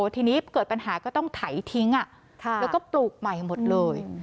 ทีนี้เกิดปัญหาก็ต้องไถทิ้งแล้วก็ปลูกใหม่หมดเลย